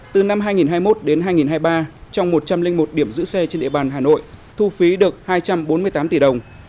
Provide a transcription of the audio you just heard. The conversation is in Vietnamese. từ năm hai nghìn hai mươi một đến hai nghìn hai mươi ba trong một trăm linh một điểm giữ xe trên địa bàn hà nội thu phí được hai trăm bốn mươi tám tỷ đồng